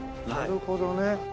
なるほどね。